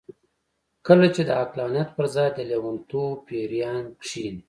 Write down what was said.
کله چې د عقلانيت پر ځای د لېونتوب پېريان کېني.